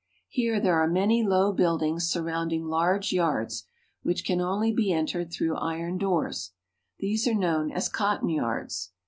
Here there are many low build ings surrounding large yards, which can only be entered through iron doors. These are known as cotton yards.